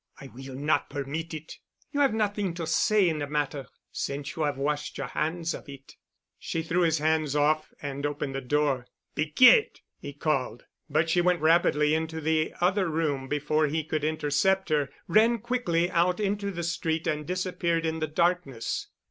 "I will not permit it——" "You have nothing to say in the matter—since you've washed your hands of it." She threw his hand off and opened the door. "Piquette!" he called, but she went rapidly into the other room before he could intercept her, ran quickly out into the street and disappeared in the darkness.